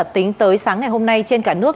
tính tới sáng ngày hôm nay trên cả nước